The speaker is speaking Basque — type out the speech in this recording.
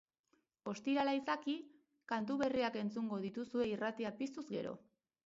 Ostirala izaki, kantu berriak entzungo dituzue irratia piztuz gero.